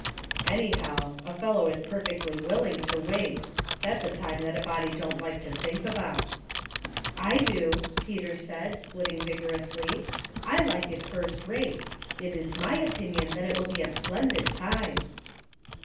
"Anyhow, a fellow is perfectly willing to wait ; that's a time that a body don't like to think about." I do," Peter said, splitting vigorously. " I like it first rate. It is my opinion it will be a splendid time."